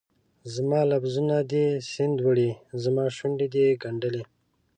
زما لفظونه دي سیند وړي، زماشونډې دي ګنډلي